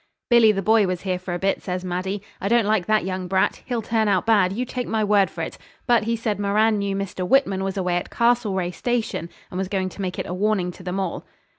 'Billy the Boy was here for a bit,' says Maddie. 'I don't like that young brat, he'll turn out bad, you take my word for it; but he said Moran knew Mr. Whitman was away at the Castlereagh station, and was going to make it a warning to them all.'